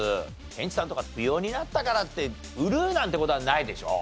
ケンチさんとか不要になったからって売るなんて事はないでしょ？